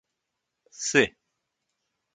C